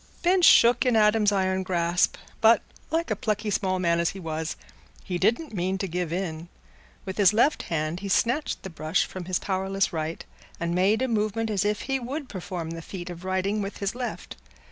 Ben shook in Adam's iron grasp, but, like a plucky small man as he was, he didn't mean to give in. With his left hand he snatched the brush from his powerless right, and made a movement as if he would perform the feat of writing with his left.